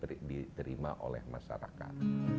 memastikan informasi ini bisa diterima oleh masyarakat